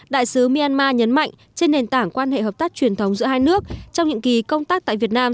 đại sứ myanmar nhấn mạnh trên nền tảng quan hệ hợp tác truyền thống giữa hai nước trong những kỳ công tác tại việt nam